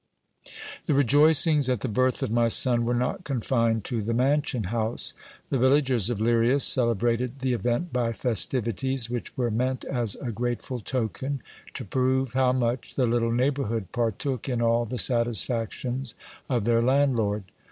The rejoicings at the birth of my son were not confined to the mansion house; the villagers of Lirias celebrated the event by festivities, which were meant as a grateful token, to prove how much the little neighbourhood partook in all the satisfactions of their landlord.